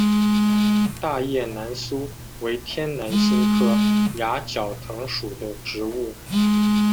大叶南苏为天南星科崖角藤属的植物。